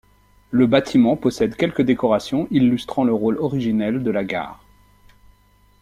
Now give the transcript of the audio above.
Le bâtiment possède quelques décorations illustrant le rôle originel de la gare.